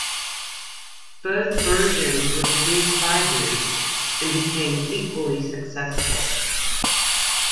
Both versions were produced by him and became equally successful.